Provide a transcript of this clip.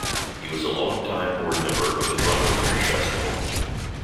He was a long-time board member of the Toronto Fringe Festival.